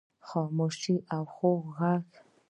خاموش او خوږ ږغ